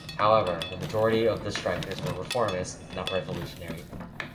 However, the majority of the strikers were reformist, not revolutionary.